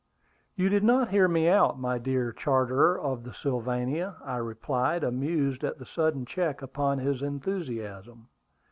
"You did not hear me out, my dear charterer of the Sylvania," I replied, amused at the sudden check put upon his enthusiasm.